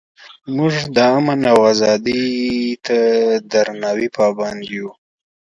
موږ د امن او ازادۍ ته درناوي پابند یو.